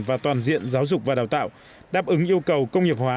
và toàn diện giáo dục và đào tạo đáp ứng yêu cầu công nghiệp hóa